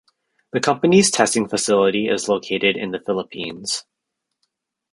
The company's testing facility is located in the Philippines.